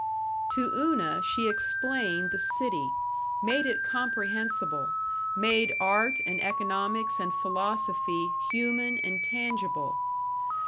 To Una she explained the city, made it comprehensible, made art and economics and philosophy human and tangible.